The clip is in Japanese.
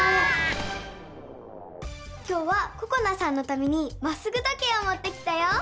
今日はここなさんのためにまっすぐ時計をもってきたよ！